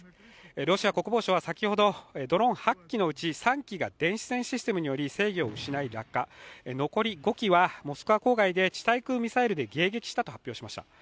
ロシア国防省は先ほど、ドローン８機のうち３機が電子戦システムにより制御を失い落下、残り５機はモスクワ郊外で地対空ミサイルで迎撃したと発表しました。